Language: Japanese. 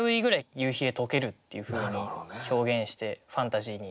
「夕日へ溶ける」っていうふうに表現してファンタジーに。